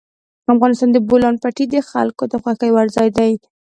افغانستان کې د بولان پټي د خلکو د خوښې وړ ځای دی.